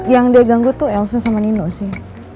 yang dia ganggu tuh elsa sama nino sih